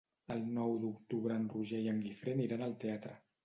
El nou d'octubre en Roger i en Guifré aniran al teatre.